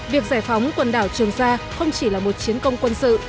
việc giải phóng quần đảo trường sa không chỉ là một chiến công quân sự